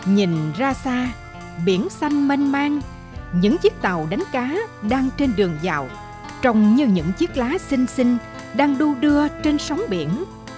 nhìn ra xa biển xanh mênh mang những chiếc tàu đánh cá đang trên đường dạo trồng như những chiếc lá xinh xinh đang đu đưa trên sóng biển